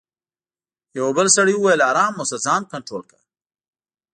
یوه بل سړي وویل: آرام اوسه، ځان کنټرول کړه.